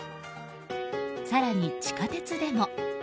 更に、地下鉄でも。